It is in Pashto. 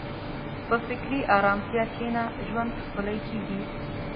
په فکري ارامتیا کښېنه، ژوند ښکلی کېږي.